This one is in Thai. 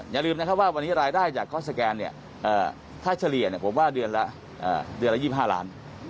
อย่าลืมนะครับว่าวันนี้รายได้จากข้อสแกนค่าเฉลี่ยผมว่าเดือนละ๒๕ล้าน